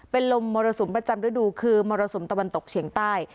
เป็นลมมรสุมประจำฤดูคือมรสุมตะวันตกเฉียงใต้